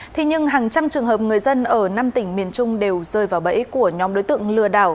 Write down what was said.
thế nhưng hàng trăm trường hợp người dân ở năm tỉnh miền trung đều rơi vào bẫy của nhóm đối tượng lừa đảo